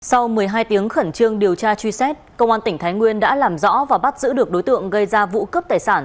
sau một mươi hai tiếng khẩn trương điều tra truy xét công an tỉnh thái nguyên đã làm rõ và bắt giữ được đối tượng gây ra vụ cướp tài sản